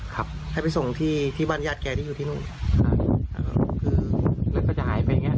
ครับให้ไปส่งที่ที่บ้านญาติแกที่อยู่ที่นู่นก็จะหายไปอย่างเงี้